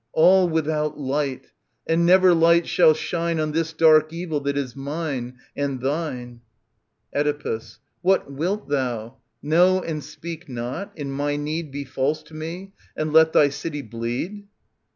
All without light !— And never light shall shine On this dark evil that is mine ... and thine. Oedipus. What wilt thou ? Know and speak not ? In my need Be false to me, and let thy city bleed